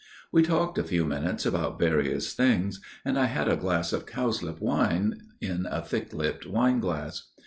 We talked a few minutes about various things, and I had a glass of cowslip wine in a thick lipped wineglass.